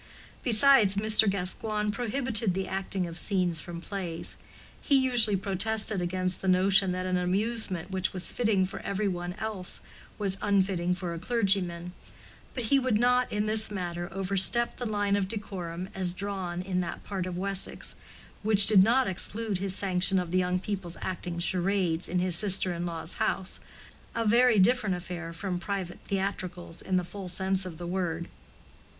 Besides, Mr. Gascoigne prohibited the acting of scenes from plays: he usually protested against the notion that an amusement which was fitting for every one else was unfitting for a clergyman; but he would not in this matter overstep the line of decorum as drawn in that part of Wessex, which did not exclude his sanction of the young people's acting charades in his sister in law's house—a very different affair from private theatricals in the full sense of the word.